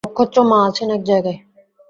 নক্ষত্র, মা আছেন এক জায়গায়।